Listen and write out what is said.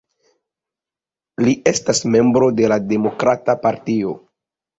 Li estas membro de la Demokrata partio.